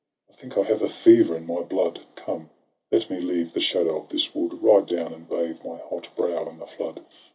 — I think, I have a fever in my blood; Come, let me leave the shadow of this wood. Ride down, and bathe my hot brow in the flood.